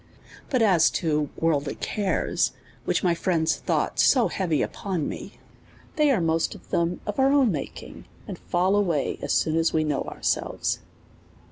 But as to worldly cares, which my friends thought 90 heavy upon me, they are most of them of our own making, and fall away as soon as we know ourselves.